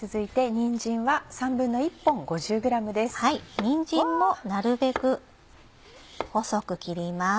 にんじんもなるべく細く切ります。